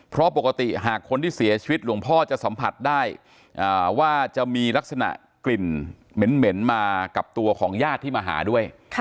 เพราะปกติหากคนที่เสียชีวิตหลวงพ่อจะสัมผัสได้ว่าจะมีลักษณะกลิ่นเหม็นมากับตัวของญาติที่มาหาด้วย